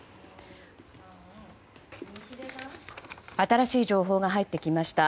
新しい情報が入ってきました。